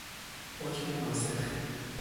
حکم ناسخ